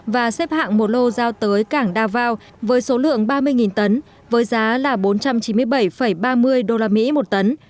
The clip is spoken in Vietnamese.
và xếp hạng một lô giao tới cảng davao với số lượng ba mươi tấn với giá là bốn trăm chín mươi bảy ba mươi usd một tấn